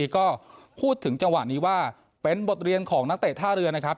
ก็พูดถึงจังหวะนี้ว่าเป็นบทเรียนของนักเตะท่าเรือนะครับ